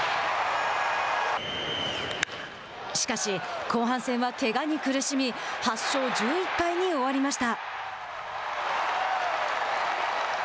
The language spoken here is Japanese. しかし、後半戦はけがに苦しみ８勝１１敗に終わりました。